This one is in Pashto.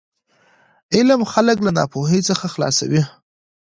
علم خلک له ناپوهي څخه خلاصوي.